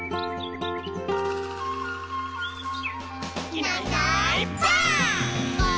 「いないいないばあっ！」